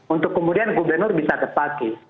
untuk kemudian gubernur bisa tepati